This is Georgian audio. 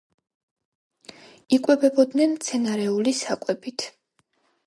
იკვებებოდნენ მცენარეული საკვებით.